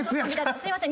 すみません。